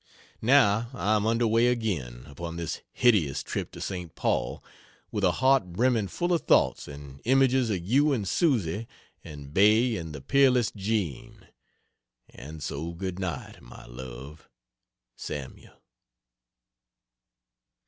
Now I am under way again, upon this hideous trip to St. Paul, with a heart brimming full of thoughts and images of you and Susie and Bay and the peerless Jean. And so good night, my love. SAML.